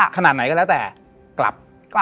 ขนาดไหนก็แล้วแต่กลับ